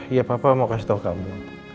iya papa mau kasih tau kamu